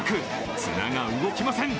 綱が動きません。